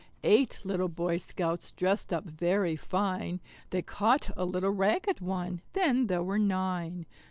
Eight little Boy Scouts dressed up very fine; They caught a little ragged one then there were nine.